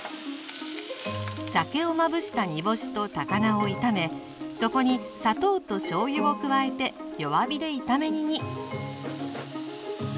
酒をまぶした煮干しと高菜を炒めそこに砂糖としょうゆを加えて弱火で炒め煮に。